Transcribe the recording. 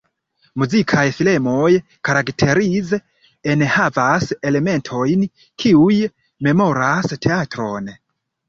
Muzikaj filmoj karakterize enhavas elementojn kiuj memoras teatron.